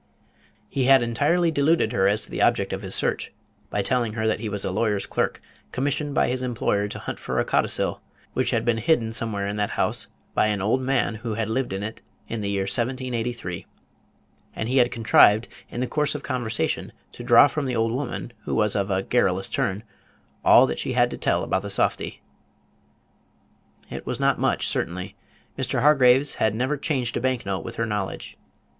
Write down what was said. He had entirely deluded her as to the object of his search, by telling her that he was a lawyer's clerk, commissioned by his employer to hunt for a codicil which had been hidden somewhere in that house by an old man who had lived in it in the year 1783; and he had contrived, in the course of conversation, to draw from the old woman, who was of a garrulous turn, all that she had to tell about the softy. It was not much, certainly. Mr. Hargraves had never changed a bank note with her knowledge.